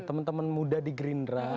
teman teman muda di gerindra